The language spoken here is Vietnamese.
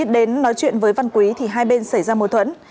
đến nói chuyện với văn quý thì hai bên xảy ra mâu thuẫn